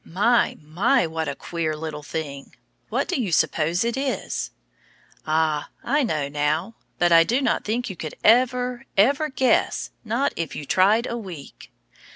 My! my! what a queer little thing! What do you suppose it is? Ah, I know now, but I do not think you could ever, ever guess, not if you tried a week.